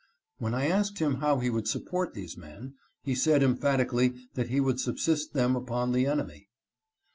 When I asked him how he would support these men, he said emphatically that he would subsist them upon the enemy.